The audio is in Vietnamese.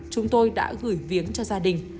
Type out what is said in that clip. chúng tôi đã gửi viếng cho gia đình